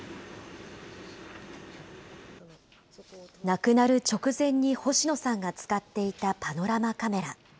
亡くなる直前に星野さんが使っていたパノラマカメラ。